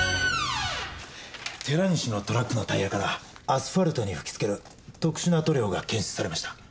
寺西のトラックのタイヤからアスファルトに吹きつける特殊な塗料が検出されました。